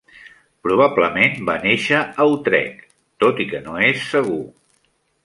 Probablement va néixer a Utrecht, tot i que no és segur.